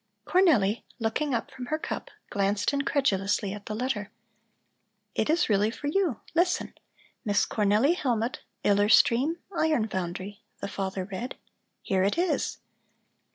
Cornelli, looking up from her cup, glanced incredulously at the letter. "It is really for you. Listen! Miss Cornelli Hellmut, Iller Stream, Iron Foundry," the father read. "Here it is!"